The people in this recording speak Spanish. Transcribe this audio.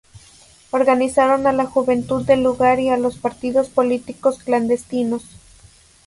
Organizaron a la juventud del lugar y a los partidos políticos clandestinos.